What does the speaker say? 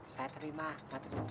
saya terima saya terima